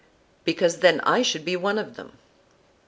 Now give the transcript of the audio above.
"Because then I should be one of them."